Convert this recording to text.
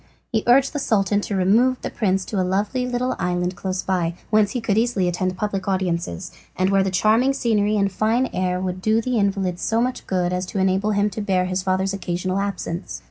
He urged the sultan to remove with the prince to a lovely little island close by, whence he could easily attend public audiences, and where the charming scenery and fine air would do the invalid so much good as to enable him to bear his father's occasional absence.